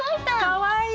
かわいい。